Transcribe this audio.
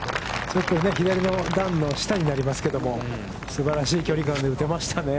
ちょっと左の段の下になりますけど、すばらしい距離感で打てましたね。